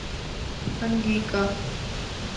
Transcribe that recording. Angika